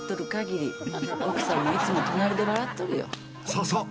［そうそう。